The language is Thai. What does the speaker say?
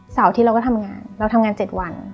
อาทิตย์เราก็ทำงานเราทำงาน๗วัน